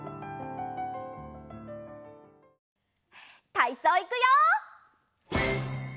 たいそういくよ！